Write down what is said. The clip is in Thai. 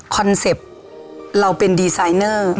นเซ็ปต์เราเป็นดีไซเนอร์